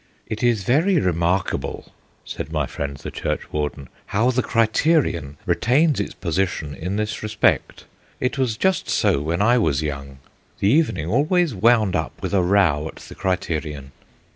"It is very remarkable," said my friend the churchwarden, "how the Criterion retains its position in this respect. It was just so when I was young; the evening always wound up with a row at the Criterion."